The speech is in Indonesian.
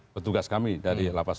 petugas kami dari lapas